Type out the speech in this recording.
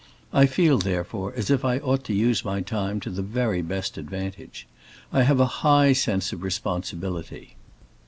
I feel, therefore, as if I ought to use my time to the very best advantage. I have a high sense of responsibility.